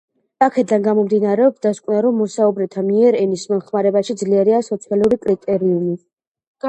აქედან გამომდინარეობს დასკვნა, რომ მოსაუბრეთა მიერ ენის მოხმარებაში ძლიერია სოციალური კრიტერიუმი.